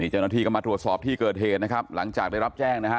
เจ้าหน้าที่ก็มาตรวจสอบที่เกิดเหตุนะครับหลังจากได้รับแจ้งนะฮะ